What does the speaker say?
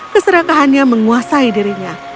keserakahannya menguasai dirinya